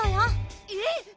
えっ！